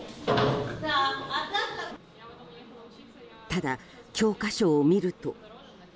ただ、教科書を見ると。